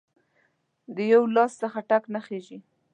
د یو لاس څخه ټک نه خیژي